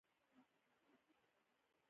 ایمان زړه ته سکون ورکوي؟